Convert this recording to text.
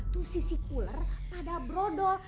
tuh si si ular pada brodol